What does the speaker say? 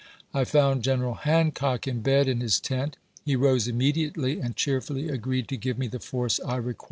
I found General Hancock in bed in his tent. He rose immediately, and cheerfully agreed to give me the force I required."